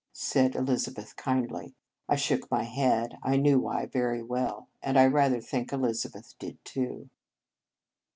said Elizabeth kindly. I shook my head. I knew why very well. And I rather think Elizabeth did, too.